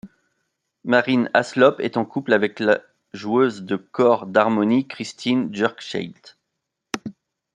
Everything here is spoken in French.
Marin Alsop est en couple avec la joueuse de cor d'harmonie Kristin Jurkscheit.